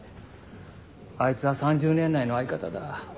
あいつは３０年来の相方だ。